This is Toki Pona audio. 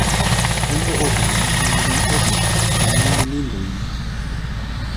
tenpo open la ona li "Eko", tan nimi linluwi mi.